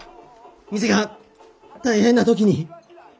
店が大変な時に！